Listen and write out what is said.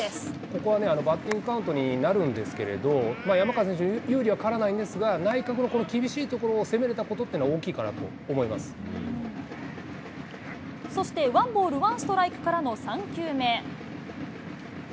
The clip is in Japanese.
ここはバッティングカウントになるんですけれど、山川選手、有利は変わらないんですが、内角の厳しい所を攻めれたことっそして、ワンボールワンストライクからの３球目。